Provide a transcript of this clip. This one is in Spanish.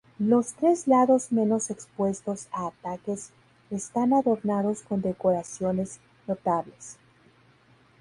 Los tres lados menos expuestos a ataques están adornados con decoraciones notables.